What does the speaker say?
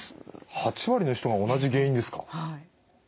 ８割の人が同じ原因ですか。